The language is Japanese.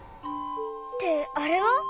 ってあれは？